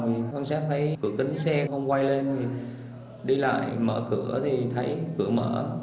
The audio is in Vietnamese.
thì quan sát thấy cửa kính xe không quay lên thì đi lại mở cửa thì thấy cửa mở